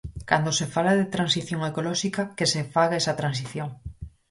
Cando se fala de transición ecolóxica que se faga esa transición.